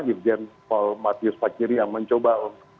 irjen paul matius pakiri yang mencoba